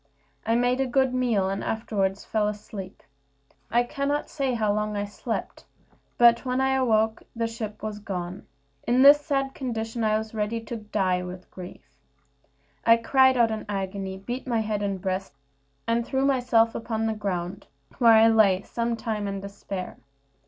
I made a good meal, and afterward fell asleep. I cannot tell how long I slept, but when I awoke the ship was gone. In this sad condition, I was ready to die with grief. I cried out in agony, beat my head and breast, and threw myself upon the ground, where I lay some time in despair.